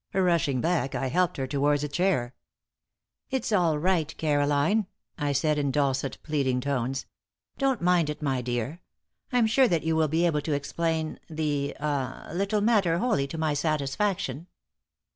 Rushing back, I helped her towards a chair. "It's all right, Caroline," I said, in dulcet, pleading tones. "Don't mind it, my dear. I am sure that you will be able to explain the ah little matter wholly to my satisfaction."